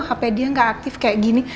hape dia nggak aktif kayak gini